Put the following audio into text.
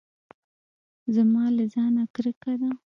زما له ځانه کرکه ده .